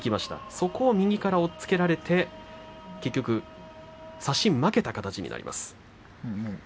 そこを右で押っつけられて差し負けた形になりました。